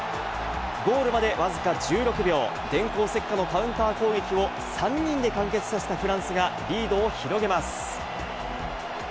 ゴールまで僅か１６秒、電光石火のカウンター攻撃を３人で完結させたフランスがリードを広げます。